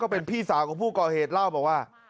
เป็นพี่สาวของผู้ก่อเหตุเล่าบอกว่า